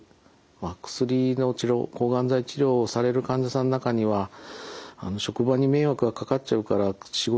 薬の治療抗がん剤治療をされる患者さんの中には職場に迷惑がかかっちゃうから仕事辞める方もおられます。